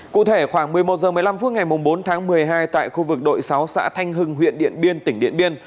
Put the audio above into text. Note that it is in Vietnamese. cụ thể khoảng một mươi một h một mươi năm phút ngày bốn tháng một mươi hai tại khu vực đội sáu xã thanh hưng huyện điện biên tỉnh điện biên